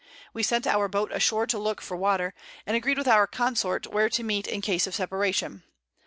We sent our Boat ashore to look for Water, and agreed with our Consort where to meet in case of Separation.